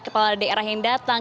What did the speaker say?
kepala daerah yang datang